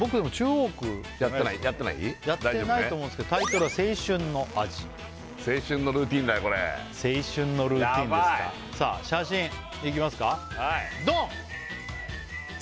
大丈夫ねやってないと思うんですけどタイトルは「青春の味」青春のルーティンだよこれやばい青春のルーティンですかさあ写真いきますかドン！